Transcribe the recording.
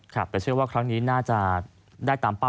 แต่เชื่อว่าครั้งนี้น่าจะได้ตามเป้า